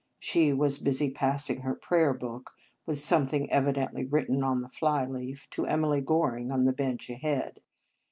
She was busy passing her prayer book, with something evidently written on the fly leaf, to Emily Goring on the bench ahead.